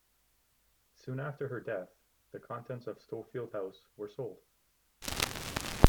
Soon after her death, the contents of Stourfield House were sold.